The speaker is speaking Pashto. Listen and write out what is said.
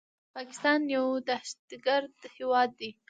پاکستان يو دهشتګرد هيواد ده